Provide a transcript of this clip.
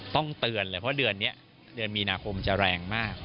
ต้องเตือนเลยเพราะเดือนนี้เดือนมีนาคมจะแรงมาก